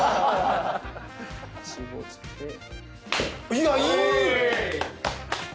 いやいい！